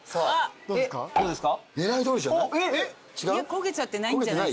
焦げちゃってないんじゃないですか？